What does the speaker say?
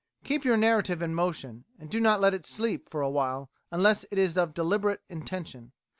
Keep your narrative in motion, and do not let it sleep for a while unless it is of deliberate intention.